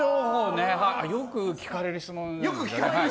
よく聞かれる質問だね。